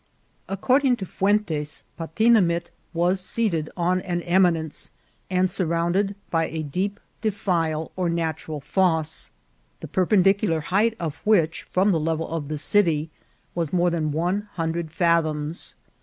According to Fuentes, Patinamit was seated on an eminence, and surrounded by a deep defile or natural fosse, the perpendicular height of which, from the level of the city, was more than one hundred fathoms.